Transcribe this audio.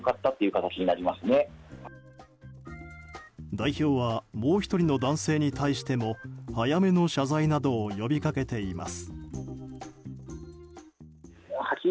代表はもう１人の男性に対しても早めの謝罪などを呼びかけています。